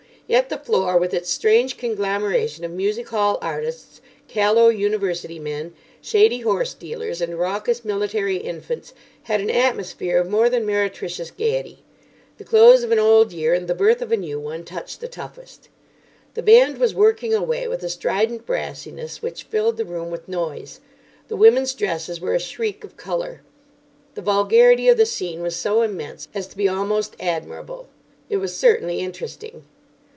Yet the floor, with its strange conglomeration of music hall artists, callow university men, shady horse dealers, and raucous military infants, had an atmosphere of more than meretricious gaiety. The close of an old year and the birth of a new one touch the toughest. The band was working away with a strident brassiness which filled the room with noise. The women's dresses were a shriek of colour. The vulgarity of the scene was so immense as to be almost admirable. It was certainly interesting.